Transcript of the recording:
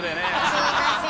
すいません。